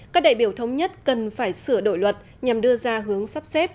các đại biểu thống nhất cần phải sửa đổi luật nhằm đưa ra hướng sắp xếp